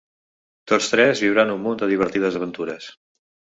Tots tres viuran un munt de divertides aventures.